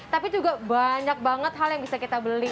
tapi juga banyak banget hal yang bisa kita beli